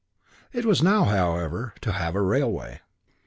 It was now, however, to have a railway.